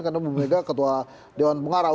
karena bu mega ketua dewan pengarah